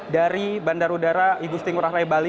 dari bandar udara igustin gurah raya bali